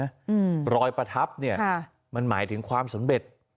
อืมรอยประทับเนี้ยค่ะมันหมายถึงความสำเร็จ